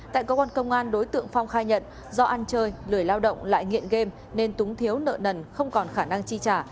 tại cơ quan công an đối tượng phong khai nhận do ăn chơi lười lao động lại nghiện game nên túng thiếu nợ nần không còn khả năng chi trả